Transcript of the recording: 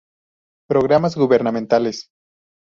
Programas Gubernamentales.